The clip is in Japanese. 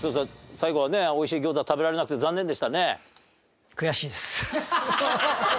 最後はね美味しい餃子食べられなくて残念でしたね。